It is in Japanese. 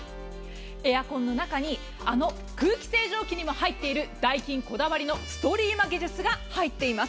エアコンの中に空気清浄機にも入っているダイキンこだわりのストリーマ技術が入っています。